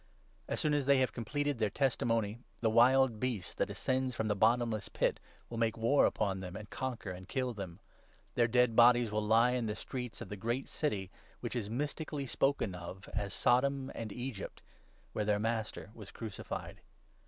As soon as they have completed their testimony, ' the 7 wild Beast that ascends from the bottomless pit will make war upon them and conquer ' and kill them. Their dead 8 bodies will lie in the streets of the great City, which is mysti cally spoken of as ' Sodom' and ' Egypt,' where their Master was crucified.